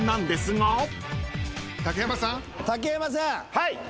はい。